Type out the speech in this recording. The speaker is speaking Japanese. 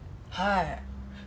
はい。